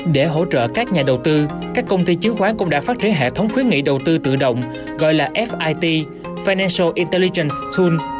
để hỗ trợ các nhà đầu tư các công ty chứng khoán cũng đã phát triển hệ thống khuyến nghị đầu tư tự động gọi là fit finesal intalyten stool